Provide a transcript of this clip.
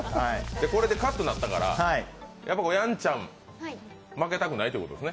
これでカットになったからやんちゃん、負けたくないってことですね。